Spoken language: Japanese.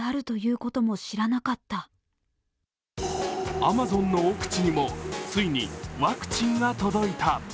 アマゾンの奥地にもついに、ワクチンが届いた。